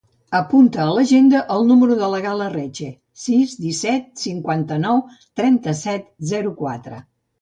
Apunta a l'agenda el número de la Gal·la Reche: sis, disset, cinquanta-nou, trenta-set, zero, quatre.